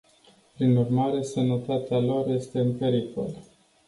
Prin urmare, sănătatea lor este în pericol.